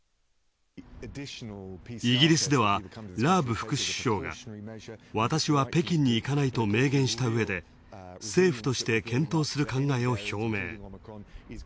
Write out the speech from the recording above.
イギリスでは、ラーブ副首相が私は北京に行かないと明言したうえで、政府として検討する考えを表明。